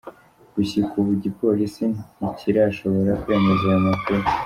Gushika ubu igipolisi ntikirashobora kwemeza ayo makuru.